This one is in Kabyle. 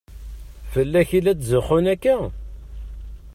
Fell-ak i la tetzuxxu akka?